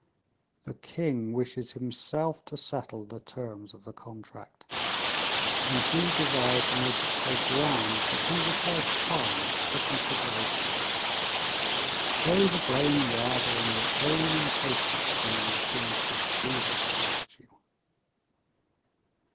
"The king wishes himself to settle the terms of the contract, and he desires to make it so grand that he requires time for consideration. Throw the blame rather on your own impatience, than on the king's good feelings towards you."